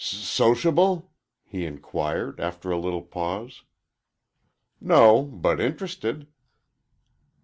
"S sociable?" he inquired, after a little pause. "No, but interested."